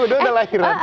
dua ribu dua udah lahiran